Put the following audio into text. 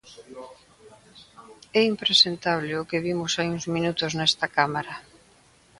É impresentable o que vimos hai uns minutos nesta Cámara.